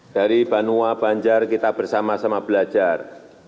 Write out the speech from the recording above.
dari banua banjar kita bersama sama belajar